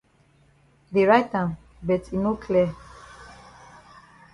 Dey write am but e no clear.